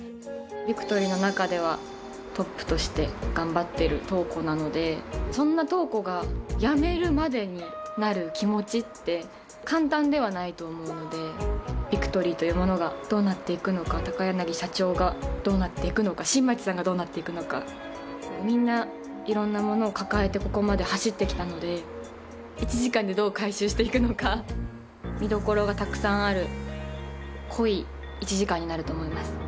ビクトリーの中ではトップとして頑張ってる塔子なのでそんな塔子が辞めるまでになる気持ちって簡単ではないと思うのでビクトリーというものがどうなっていくのか高柳社長がどうなっていくのか新町さんがどうなっていくのかみんな色んなものを抱えてここまで走ってきたので１時間でどう回収していくのか見どころがたくさんある濃い１時間になると思います